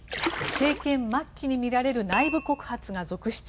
政権末期に見られる内部告発が続出。